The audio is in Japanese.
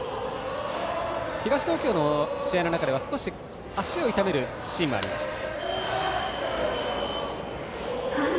東東京の試合の中では少し足を痛めるシーンもありました。